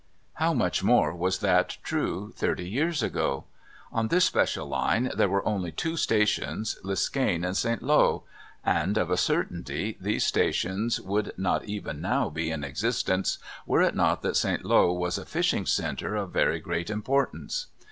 How much more was that true thirty years ago. On this especial line there were only two stations Liskane and St. Lowe, and, of a certainty, these stations would not even now be in existence were it not that St. Lowe was a fishing centre of very great importance.